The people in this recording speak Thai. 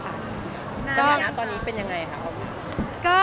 ฐานะตอนนี้เป็นอย่างไรครับ